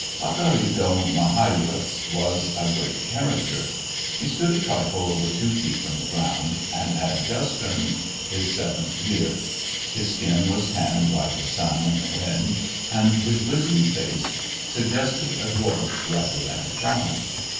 Pacorrito Migajas was a great character. He stood a trifle over two feet from the ground, and had just turned his seventh year. His skin was tanned by the sun and the wind, and his wizened face suggested a dwarf rather than a child.